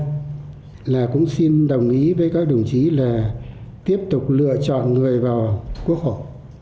thứ nhất là cũng xin đồng ý với các đồng chí là tiếp tục lựa chọn người vào quốc hội